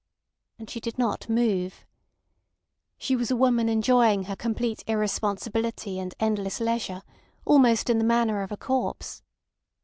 And she did not move. She was a woman enjoying her complete irresponsibility and endless leisure, almost in the manner of a corpse.